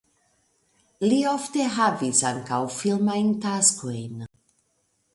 Li ofte havis ankaŭ filmajn taskojn.